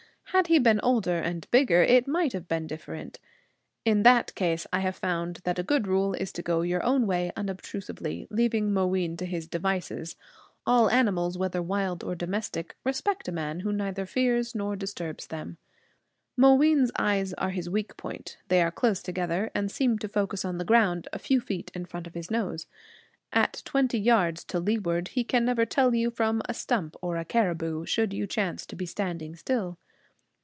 Had he been older and bigger, it might have been different. In that case I have found that a good rule is to go your own way unobtrusively, leaving Mooween to his devices. All animals, whether wild or domestic, respect a man who neither fears nor disturbs them. Mooween's eyes are his weak point. They are close together, and seem to focus on the ground a few feet in front of his nose. At twenty yards to leeward he can never tell you from a stump or a caribou, should you chance to be standing still.